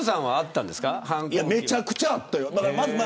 めちゃくちゃあったよ。